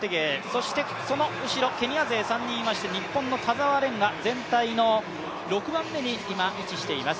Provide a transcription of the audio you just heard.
そしてその後ろ、ケニア勢３人いまして、日本の田澤廉が全体の６番目に今、位置しています。